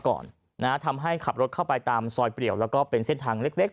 ก่อนนะฮะทำให้ขับรถเข้าไปตามซอยเปรียวแล้วก็เป็นเส้นทางเล็กเล็ก